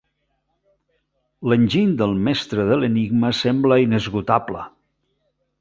L'enginy del mestre de l'enigma sembla inesgotable.